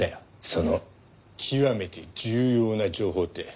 その極めて重要な情報って。